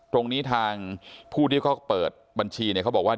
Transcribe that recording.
ตรงนี้ทางผู้ที่เขาเปิดบัญชีเนี่ยเขาบอกว่า